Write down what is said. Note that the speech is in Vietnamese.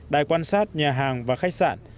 đài quan sát nhà hàng và khách sạn